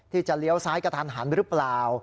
จะเลี้ยวซ้ายกระทันหันหรือเปล่า